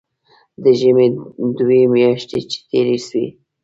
د ژمي دوې مياشتې چې تېرې سوې.